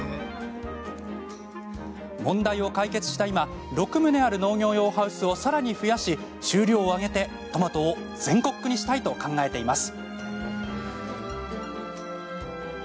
問題を解決した今６棟ある農業用ハウスをさらに増やし収量を上げて、トマトを全国区にしたいと考えています。